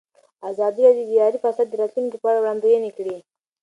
ازادي راډیو د اداري فساد د راتلونکې په اړه وړاندوینې کړې.